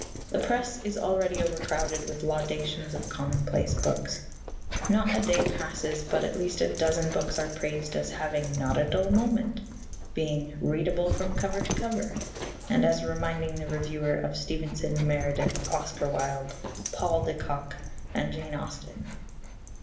The Press is already overcrowded with laudations of commonplace books. Not a day passes but at least a dozen books are praised as having "not a dull moment," being "readable from cover to cover," and as reminding the reviewer of Stevenson, Meredith, Oscar Wilde, Paul de Kock, and Jane Austen.